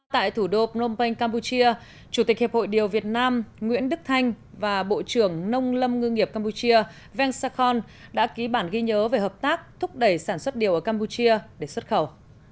tại thủ đô phnom penh campuchia chủ tịch hiệp hội điều việt nam nguyễn đức thanh và bộ trưởng nông lâm ngư nghiệp campuchia veng sakon đã ký bản ghi nhớ về hợp tác thúc đẩy sản xuất điều ở campuchia để xuất khẩu